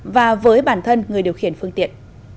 và với bản thân người điều khiển phương tiện